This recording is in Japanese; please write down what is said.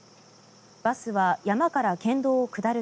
バスは山から県道を下る